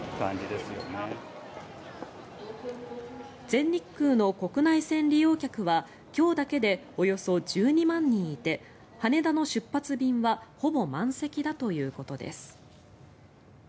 全日空の国内線利用客は今日だけでおよそ１２万人いて羽田の出発便はほぼ満席だということです。